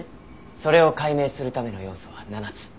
それを解明するための要素は７つ。